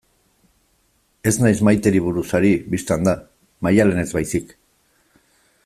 Ez naiz Maiteri buruz ari, bistan da, Maialenez baizik.